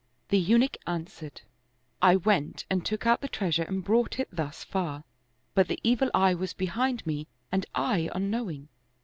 " The Eunuch answered, " I went and took out the treasure and brought it thus far ; but the evil eye was behind me and I unknowing.